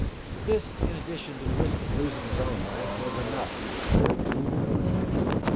This, in addition to the risk of losing his own life, was enough, he declared, to ruin him.